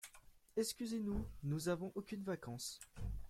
Excusez-nous, nous n’avons aucunes vacances.